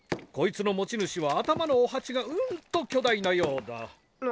こいつの持ち主は頭のおはちがうんと巨大なようだ。